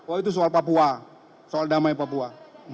oh itu soal papua soal damai papua